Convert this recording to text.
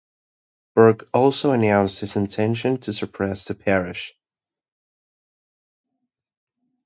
Burke also announced his intention to suppress the parish.